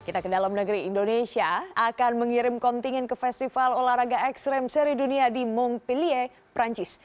kita ke dalam negeri indonesia akan mengirim kontingen ke festival olahraga ekstrem seri dunia di monpelie perancis